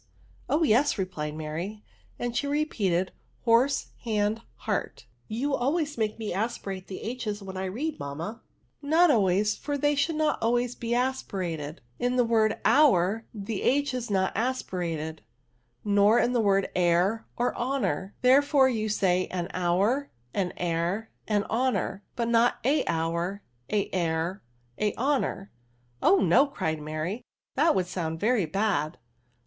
Oh, yes," replied Mary ; and she re peated, horse, hand, heart. '^ You always make me aspirate the h's when I read, mamma* " Not always 5 £br they should not always he aspirated* In the word hour the h is not aspirated, nor in the word heir or honour ; therefore, you say an hour, an heir, an honour ; not a hour, a heir, a honour/^ " Oh, no," cried Mary j that would sound Tery bad."